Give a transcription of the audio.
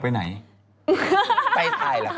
ไปไหนนะครับ